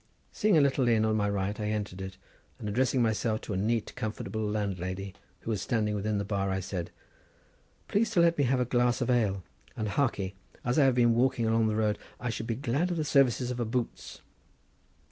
Seeing a little inn on my right I entered it, and addressing myself to a neat, comfortable landlady, who was standing within the bar, I said— "Please to let me have a glass of ale!—and hearkee; as I have been walking along the road, I should be glad of the services of the 'boots.